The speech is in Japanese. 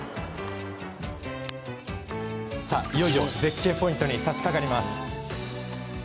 さあ、いよいよ絶景ポイントにさしかかります。